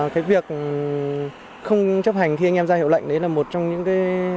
cái việc không chấp hành khi anh em ra hiệu lệnh đấy là một trong những cái